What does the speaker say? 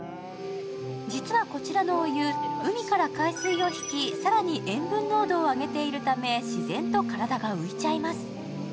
実は、こちらのお湯、海から海水を引き更に塩分濃度を上げているため自然と体が浮いちゃいます。